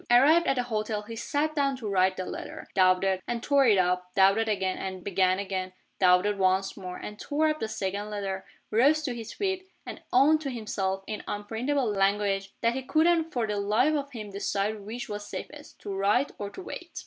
Arrived at the hotel, he sat down to write the letter doubted and tore it up doubted again and began again doubted once more and tore up the second letter rose to his feet and owned to himself (in unprintable language) that he couldn't for the life of him decide which was safest to write or to wait.